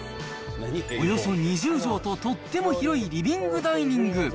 およそ２０畳ととっても広いリビングダイニング。